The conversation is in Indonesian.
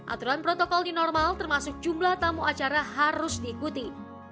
aturan protokol di normal termasuk jumlah tamu acara harus diikuti